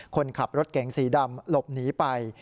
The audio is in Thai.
คนขับรถเก๋งสีดำหลบหนีไป